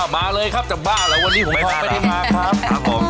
มาเลยครับจังบ้าแล้ววันนี้หงษ์ทองไม่ได้มาครับ